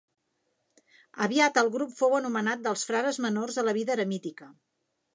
Aviat, el grup fou anomenat dels Frares Menors de la Vida Eremítica.